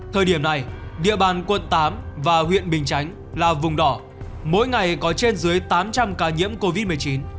thời điểm này địa bàn quận tám và huyện bình chánh là vùng đỏ mỗi ngày có trên dưới tám trăm linh ca nhiễm covid một mươi chín